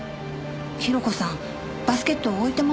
広子さんバスケットを置いたままにしてて。